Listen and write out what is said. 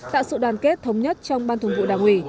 tạo sự đoàn kết thống nhất trong ban thường vụ đảng ủy